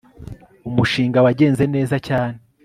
Umushinga wagenze neza cyane